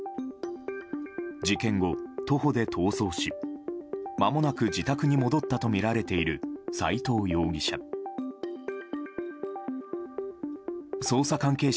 事件後、徒歩で逃走しまもなく自宅に戻ったとみられている斎藤容疑者。